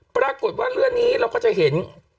ปรากฏว่าเรื่องนี้เราก็จะเห็น